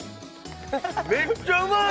めっちゃうまい！